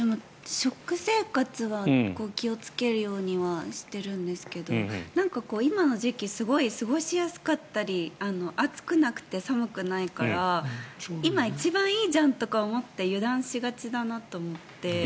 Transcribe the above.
食生活は気をつけるようにはしてるんですが今の時期すごい過ごしやすかったり暑くなくて寒くないから今、一番いいじゃんとか思って油断しがちだなと思ってそういうのが。